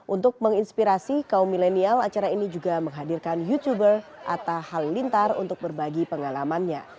untuk menginspirasi kaum milenial acara ini juga menghadirkan youtuber atta halintar untuk berbagi pengalamannya